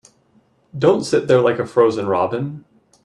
Don't sit there like a frozen robin.